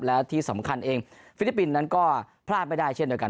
แล้วที่สำคัญเองฟิลิปปินส์นั้นก็พลาดไม่ได้เช่นเดียวกัน